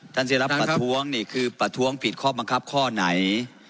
ที่รับประท้วงนี่คือประท้วงผิดข้อบังคับข้อไหน